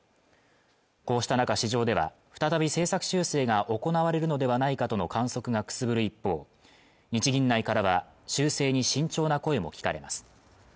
こうした中、市場では再び政策修正が行われるのではないかとの観測がくすぶる一方日銀内からは修正に慎重な声も聞かれます